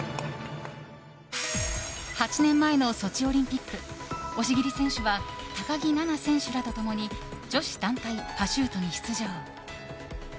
８年前のソチオリンピック押切選手は高木菜那選手らと共に女子団体パシュートに出場。